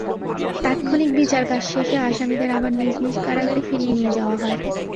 তাৎক্ষণিক বিচারকাজ শেষে আসামিদের আবার নিজ নিজ কারাগারে ফিরিয়ে নিয়ে যাওয়া হয়।